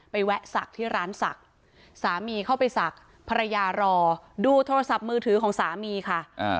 แวะศักดิ์ที่ร้านศักดิ์สามีเข้าไปศักดิ์ภรรยารอดูโทรศัพท์มือถือของสามีค่ะ